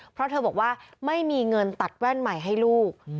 เพราะเธอบอกว่าไม่มีเงินตัดแว่นใหม่ให้ลูก